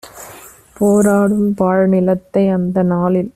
போராடும் பாழ்நிலத்தை அந்த நாளில்